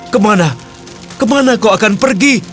kemana kemana kau akan pergi